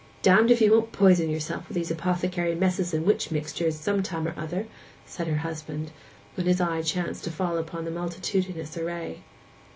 'Damned if you won't poison yourself with these apothecary messes and witch mixtures some time or other,' said her husband, when his eye chanced to fall upon the multitudinous array.